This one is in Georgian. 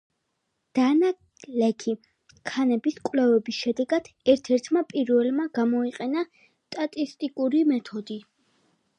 დანალექი ქანების კვლევების შედეგად ერთ-ერთმა პირველმა გამოიყენა სტატისტიკური მეთოდი.